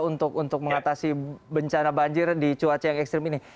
untuk mengatasi bencana banjir di cuaca yang ekstrim ini